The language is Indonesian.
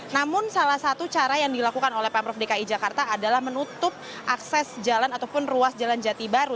namun salah satu cara yang dilakukan oleh pemprov dki jakarta adalah menutup akses jalan ataupun ruas jalan jati baru